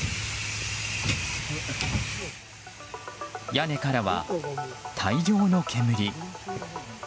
屋根からは大量の煙。